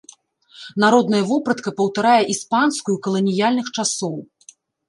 Народная вопратка паўтарае іспанскую каланіяльных часоў.